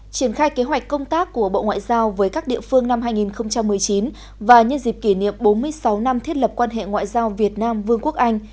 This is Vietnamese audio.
triển khai kế hoạch công tác của bộ ngoại giao với các địa phương năm hai nghìn một mươi chín và nhân dịp kỷ niệm bốn mươi sáu năm thiết lập quan hệ ngoại giao việt nam vương quốc anh